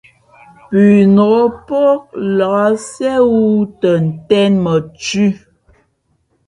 Pʉnok pók nlak siēwū tα tēn mα thʉ̄.